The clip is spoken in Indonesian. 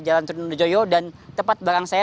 jalan trunun rejoyo dan tepat belakang saya